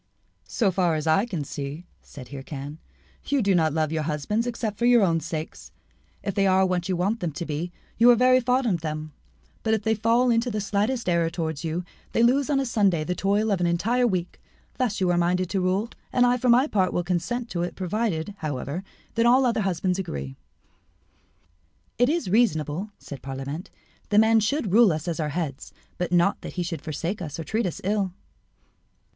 "So far as I can see," said Hircan, "you do not love your husbands except for your own sakes. If they are what you want them to be, you are very fond of them; but if they fall into the slightest error towards you, they lose on a Saturday the toil of an entire week. Thus you are minded to rule, and I for my part will consent to it provided, however, that all other husbands agree." "It is reasonable," said Parlamente, "that man should rule us as our head, but not that he should forsake us or treat us ill."